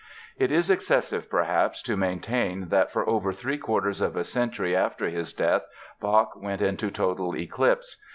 It is excessive, perhaps, to maintain that for over three quarters of a century after his death Bach went into total eclipse.